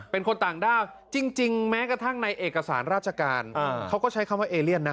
เป็นคนต่างด้าวจริงแม้กระทั่งในเอกสารราชการเขาก็ใช้คำว่าเอเลียนนะ